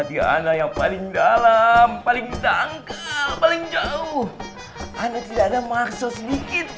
tetapi anda hanya melihat